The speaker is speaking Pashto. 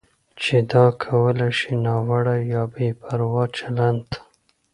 چې دا کولی شي ناوړه یا بې پروا چلند ته